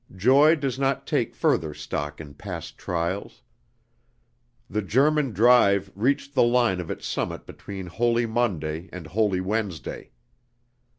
Joy does not take further stock in past trials. The German drive reached the line of its summit between Holy Monday and Holy Wednesday.